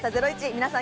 皆さん